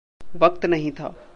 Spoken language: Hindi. वक़्त नहीं था।